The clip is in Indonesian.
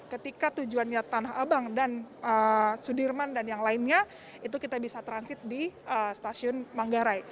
ketika tujuannya tanah abang dan sudirman dan yang lainnya itu kita bisa transit di stasiun manggarai